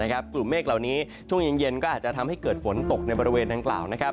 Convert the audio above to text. กลุ่มเมฆเหล่านี้ช่วงเย็นก็อาจจะทำให้เกิดฝนตกในบริเวณดังกล่าว